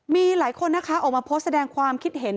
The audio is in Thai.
มีหลายคนนะคะออกมาโพสต์แสดงความคิดเห็น